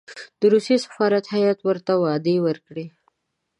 د روسیې سفارت هېئت ورته وعدې ورکړې.